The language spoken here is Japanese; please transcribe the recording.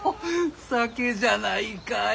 酒じゃないかえ？